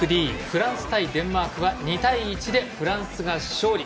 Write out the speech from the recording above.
フランス対デンマークは２対１でフランスが勝利。